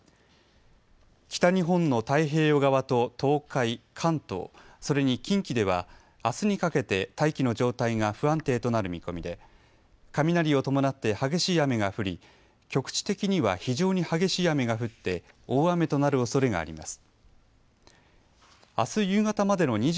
北日本の太平洋側と東海関東、それに近畿ではあすにかけて大気の状態が不安定となる見込みで雷を伴って激しい雨が降り局地的には非常に激しい雨が降って大雨となるおそれがあります。